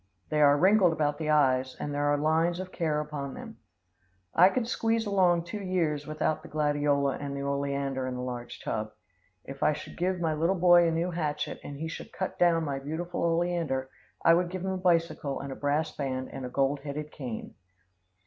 They are wrinkled about the eyes and there are lines of care upon them. I could squeeze along two years without the gladiola and the oleander in the large tub. If I should give my little boy a new hatchet and he should cut down my beautiful oleander, I would give him a bicycle and a brass band and a gold headed cane.